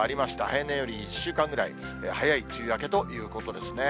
平年より１週間ぐらい早い梅雨明けということですね。